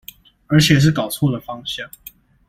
而且是搞錯了方向